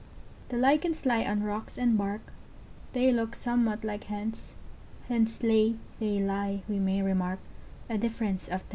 ] The Lichens lie on rocks and bark, They look somewhat like Hens: Hens lay, they lie, we may remark, A difference of tense.